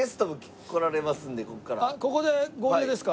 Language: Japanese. ここで合流ですか？